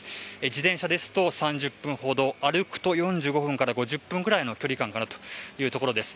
自転車ですと３０分ほど歩くと４５分から５０分くらいの距離感かなと思います。